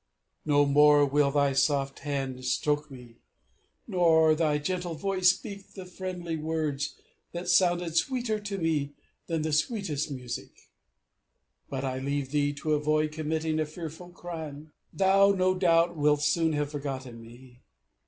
_ "No more will thy soft hand stroke me! Nor thy gentle voice speak the friendly words That sounded sweeter to me than the sweetest music! "But I leave thee to avoid committing a fearful crime. _"Thou, no doubt wilt soon have forgotten me.